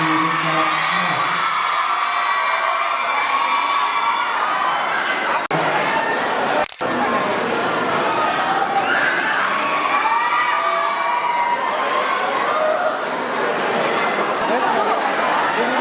สวัสดีครับ